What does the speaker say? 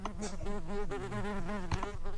El aprovechamiento de sus aguas es para riego.